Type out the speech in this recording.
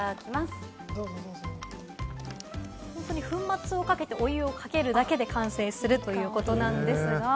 粉末をかけて、お湯をかけるだけで完成するということです。